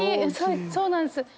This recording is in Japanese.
そうなんです。